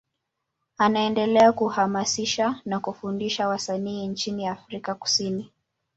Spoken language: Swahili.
Anaendelea kuhamasisha na kufundisha wasanii nchini Afrika Kusini.